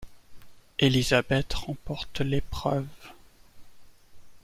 Élisabeth remporte l'épreuve.